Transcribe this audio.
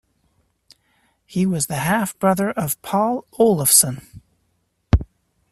He was the half-brother of Páll Ólafsson.